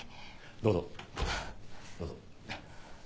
どうぞどうぞ。